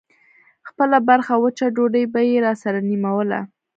خپله برخه وچه ډوډۍ به يې راسره نيموله.